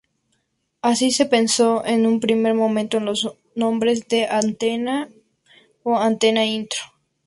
Así, se pensó en un primer momento en los nombres de "Antena.Nter" o "Antena.Intro".